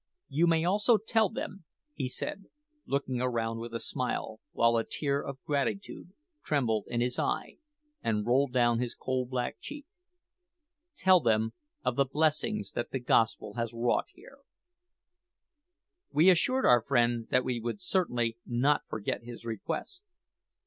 You may also tell them," he said, looking around with a smile, while a tear of gratitude trembled in his eye and rolled down his coal black cheek "tell them of the blessings that the Gospel has wrought here!" We assured our friend that we would certainly not forget his request.